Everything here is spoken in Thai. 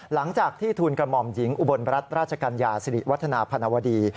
หลังจากที่ทูลกระหม่อมหญิงอุบลรัฐราชกัญญาสิริวัฒนาพนวดี